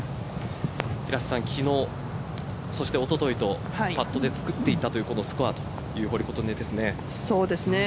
昨日、そしておとといとパットでつくっていたというスコアという堀琴音です。